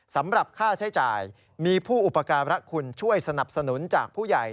สำหรับค่าใช้จ่ายมีผู้อุปการะคุณช่วยสนับสนุนจากผู้ใหญ่